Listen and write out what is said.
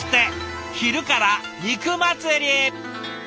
昼から肉祭り！